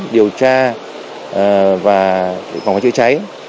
điều tra và phòng phá chữa cháy